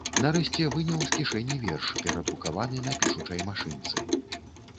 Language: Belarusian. Нарэшце выняў з кішэні верш, перадрукаваны на пішучай машынцы.